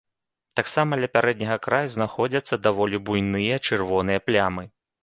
Таксама ля пярэдняга краю знаходзяцца даволі буйныя чырвоныя плямы.